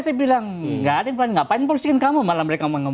saya bilang nggak ada yang paling paling polisi kamu malah mereka mau berbicara